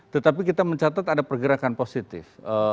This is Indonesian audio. tetapi kita mencatat ada pergerakan positif